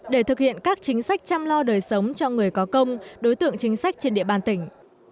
để thực hiện các chính sách chăm lo đời sống cho người có công đối tượng chính sách trên địa bàn tỉnh